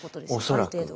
ある程度。